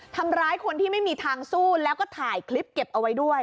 ทำร้ายคนที่ไม่มีทางสู้แล้วก็ถ่ายคลิปเก็บเอาไว้ด้วย